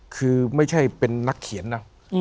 คือไม่ใช่เป็นนักเขียนนะ